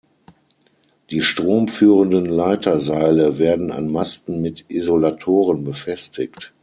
Die stromführenden Leiterseile werden an Masten mit Isolatoren befestigt.